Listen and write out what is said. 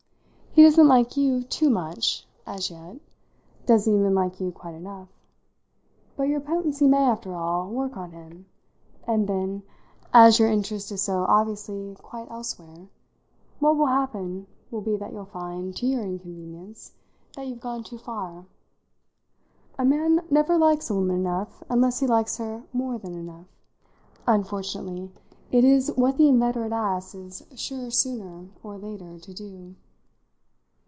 He doesn't like you too much, as yet; doesn't even like you quite enough. But your potency may, after all, work on him, and then, as your interest is so obviously quite elsewhere, what will happen will be that you'll find, to your inconvenience, that you've gone too far. A man never likes a woman enough unless he likes her more than enough. Unfortunately it's what the inveterate ass is sure sooner or later to do."